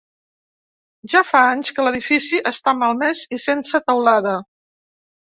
Ja fa anys que l'edifici està malmès i sense teulada.